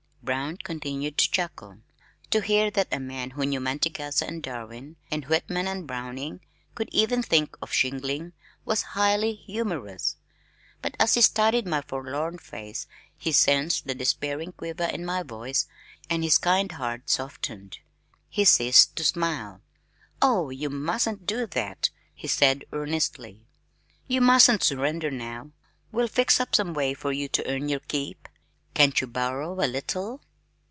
Brown continued to chuckle. To hear that a man who knew Mantegazza and Darwin and Whitman and Browning could even think of shingling, was highly humorous, but as he studied my forlorn face he sensed the despairing quiver in my voice and his kind heart softened. He ceased to smile. "Oh, you mustn't do that," he said earnestly. "You mustn't surrender now. We'll fix up some way for you to earn your keep. Can't you borrow a little?"